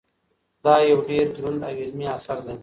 دا یو ډېر دروند او علمي اثر دی.